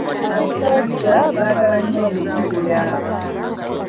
Abasajja baagala nnyo omupiira.